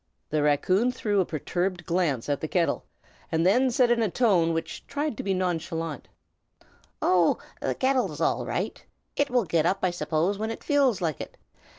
The raccoon threw a perturbed glance at the kettle, and then said in a tone which tried to be nonchalant, "Oh! the kettle is all right. It will get up, I suppose, when it feels like it.